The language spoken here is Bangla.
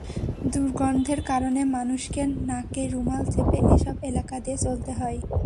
দুর্গন্ধের কারণে মানুষকে নাকে রুমাল চেপে এসব এলাকা দিয়ে চলতে হয়।